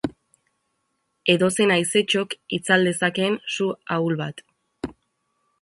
Edozein haizetxok itzal dezakeen su ahul bat.